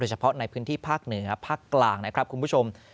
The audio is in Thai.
เฉพาะในพื้นที่ภาคเหนือภาคกลางนะครับคุณผู้ชม